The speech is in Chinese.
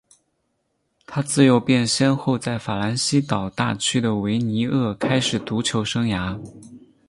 他自幼便先后在法兰西岛大区的维尼厄开始足球生涯。